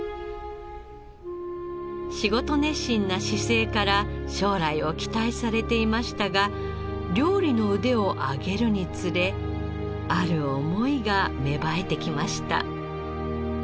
仕事熱心な姿勢から将来を期待されていましたが料理の腕を上げるにつれある思いが芽生えてきました。